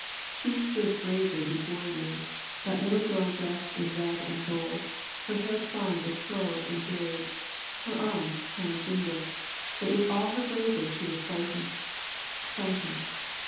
She stood bravely before you, that little girl dressed in red and gold, her hair twined with pearls and jade, her arms tiny finger, but with all her bravery she was frightened frightened.